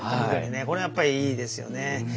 これやっぱりいいですよね。